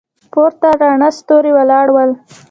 پورته راڼه ستوري ولاړ ول.